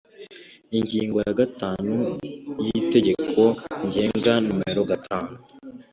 Ingingo ya gatanu y Itegeko Ngenga nomero gatanu